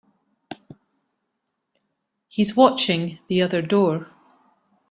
He's watching the other door.